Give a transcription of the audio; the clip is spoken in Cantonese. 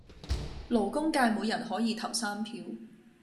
勞工界每人可以投三票